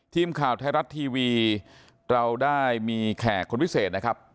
ทีมข่าวไทยรัฐทีวีเราได้มีแขกคนพิเศษนะครับ